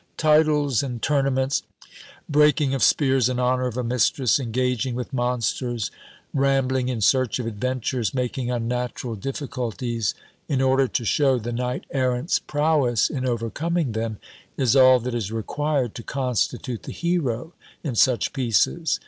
_ Titles and tournaments, breaking of spears in honour of a mistress, engaging with monsters, rambling in search of adventures, making unnatural difficulties, in order to shew the knight errant's prowess in overcoming them, is all that is required to constitute the hero in such pieces.